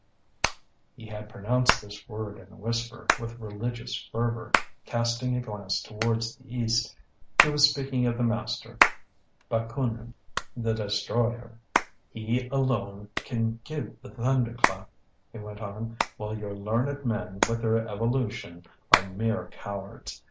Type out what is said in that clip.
He had pronounced this word in a whisper, with religious fervour, casting a glance towards the east. He was speaking of the master, Bakunin the destroyer. "He alone can give the thunderclap," he went on, "while your learned men, with their evolution, are mere cowards.